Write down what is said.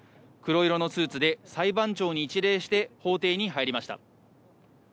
黒色のスーツで裁判長に一礼して法廷に入りました。